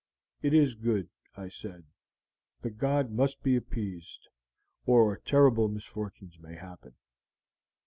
'It is good,' I said; 'the god must be appeased, or terrible misfortunes may happen.'